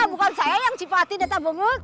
bukan saya yang cipatin teh tabungut